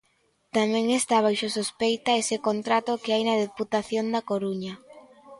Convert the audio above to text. ¿Tamén está baixo sospeita ese contrato que hai na Deputación da Coruña?